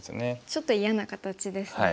ちょっと嫌な形ですね。